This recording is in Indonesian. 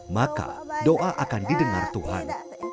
maka doa akan didengar tuhan